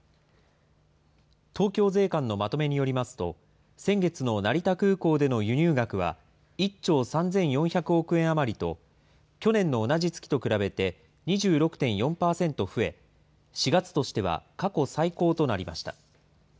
東京税関のまとめによりますと、先月の成田空港での輸入額は、１兆３４００億円余りと、去年の同じ月と比べて２６．４％増え、４月としては過去最高となりました。